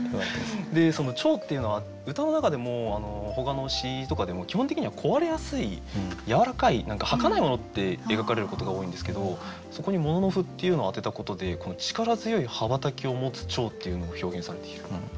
蝶っていうのは歌の中でもほかの詩とかでも基本的には壊れやすいやわらかい何かはかないものって描かれることが多いんですけどそこに「もののふ」っていうのを当てたことで力強い羽ばたきを持つ蝶っていうのを表現されている。